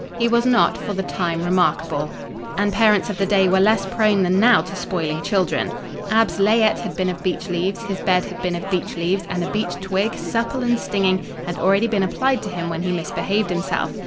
He was not, for the time, remarkable, and parents of the day were less prone than now to spoiling children. Ab's layette had been of beech leaves, his bed had been of beech leaves, and a beech twig, supple and stinging, had already been applied to him when he misbehaved himself.